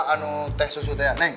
anu teh susu teh neng